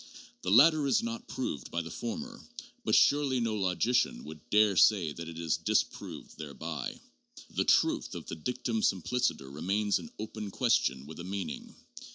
The latter is not proved by the former, but surely no logician would dare say that it is disproved thereby. The truth of the dictum simpliciter remains an open question with a meaning.